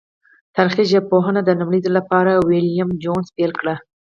تاریخي ژبپوهنه د لومړی ځل له پاره ویلم جونز پیل کړه.